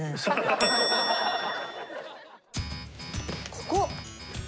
ここ。